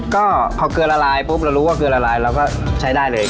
ก็พอเกลือละลายปุ๊บเรารู้ว่าเกลือละลายเราก็ใช้ได้เลย